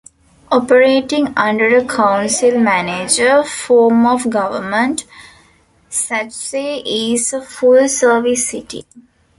Operating under a Council-Manager form of government, Sachse is a full-service city.